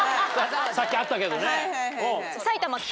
さっきあったけどね。